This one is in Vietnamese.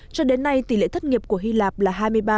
cho đến nay tỷ lệ thất nghiệp của hy lạp là hai mươi ba